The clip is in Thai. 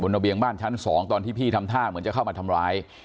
ระเบียงบ้านชั้น๒ตอนที่พี่ทำท่าเหมือนจะเข้ามาทำร้าย